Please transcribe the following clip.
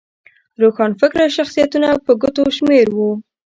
روښانفکره شخصیتونه په ګوتو شمېر وو.